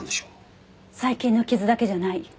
最近の傷だけじゃない。